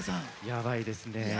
やばいですね。